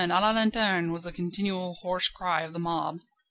A la lanterne!_" was the continual hoarse cry of the mob.